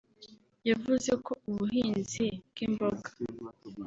yavuze ko ubuhinzi bw’imboga